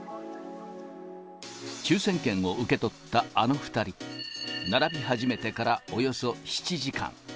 抽せん券を受け取ったあの２人、並び始めてからおよそ７時間。